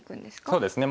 そうですね。